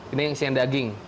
ini yang isi daging